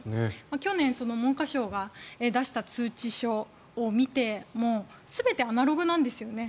去年、文科省が出した通知書を見ても全てアナログなんですよね。